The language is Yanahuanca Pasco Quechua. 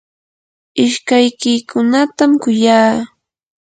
ishkaykiykunatam kuyaa.